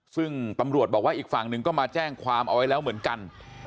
ซึ่งตำรวจบอกว่าอีกฝั่งหนึ่งก็มาแจ้งความเอาไว้แล้วเหมือนกัน